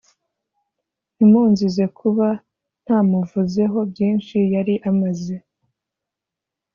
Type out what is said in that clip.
ntimunzize kuba ntamuvuzeho byinshi yari amaze